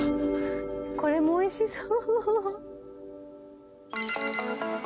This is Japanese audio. これも美味しそう。